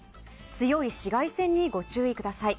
強い紫外線にご注意ください。